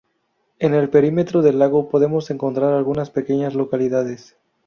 En el perímetro del lago podemos encontrar algunas pequeñas localidades.